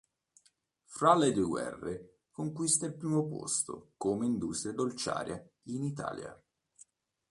Fra le due guerre conquista il primo posto come industria dolciaria in Italia.